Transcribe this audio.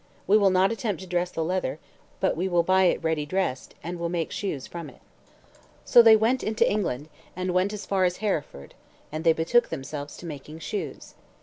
We will not attempt to dress the leather, but we will buy it ready dressed, and will make the shoes from it." So they went into England, and went as far as Hereford; and they betook themselves to making shoes.